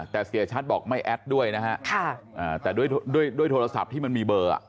แต่เสียชัตต์บอกไม่แอตด้วยแต่ด้วยโทรศัพท์ที่มีเบอร์